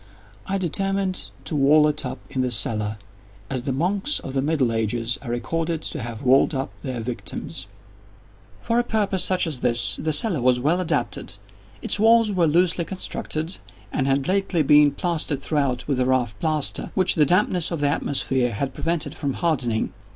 I determined to wall it up in the cellar—as the monks of the middle ages are recorded to have walled up their victims. For a purpose such as this the cellar was well adapted. Its walls were loosely constructed, and had lately been plastered throughout with a rough plaster, which the dampness of the atmosphere had prevented from hardening.